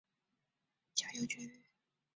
小油菊为菊科小葵子属下的一个种。